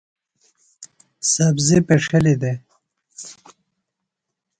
سبزیۡ پڇھلیۡ دےۡ۔